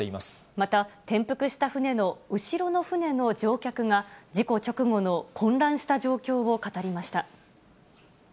また、転覆した船の後ろに船の乗客が、事故直後の混乱した状況を語りました。